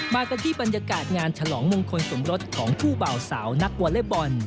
มากันที่บรรยากาศงานฉลองมงคลสมรสของคู่เบาสาวนักวอเล็กบอล